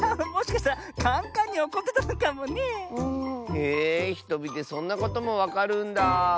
へえひとみでそんなこともわかるんだ。